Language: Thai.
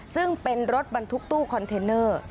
ซึ่งเป็นรถบรรทุกตู้คอนเทนเนอร์